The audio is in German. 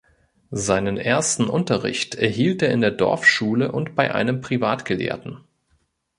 Seinen ersten Unterricht erhielt er in der Dorfschule und bei einem Privatgelehrten.